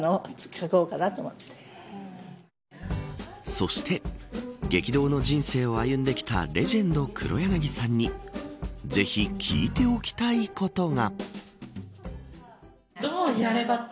そして激動の人生を歩んできたレジェンド黒柳さんにぜひ聞いておきたいことが。